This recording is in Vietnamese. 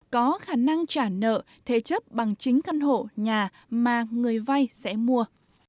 có khả năng trả nợ thế chấp bằng chính căn hộ nhà mà người vay sẽ mua